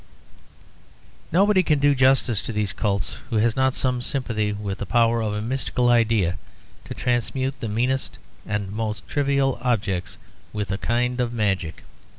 Nobody can do justice to these cults who has not some sympathy with the power of a mystical idea to transmute the meanest and most trivial objects with a kind of magic.